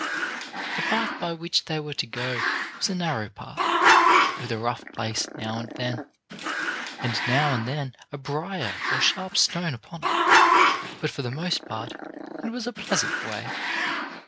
The path by which they were to go was a narrow path, with a rough place now and then, and now and then a briar or sharp stone upon it, but for the most part it was a pleasant way.